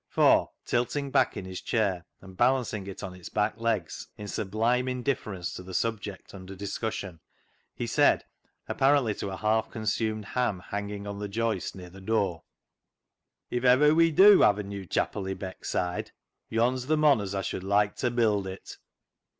For, tilting back in his chair and balancing it on its back legs, in sublime indifference to the subject under dis cussion, he said, apparently to a half consumed ham hanging on the joist near the door — "If ever we dew have a new chapil i' Beck side, yon's th' mon as Aw should loike ta build it."